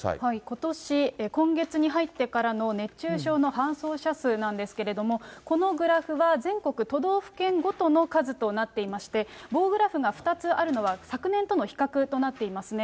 ことし、今月に入ってからの熱中症の搬送者数なんですけども、このグラフは全国都道府県ごとの数となっていまして、棒グラフが２つあるのは、昨年との比較となっていますね。